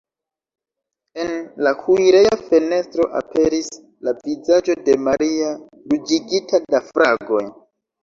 En la kuireja fenestro aperis la vizaĝo de Maria, ruĝigita de fragoj.